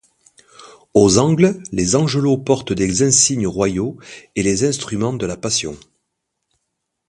Aux angles, les angelots portent des insignes royaux et les instruments de la Passion.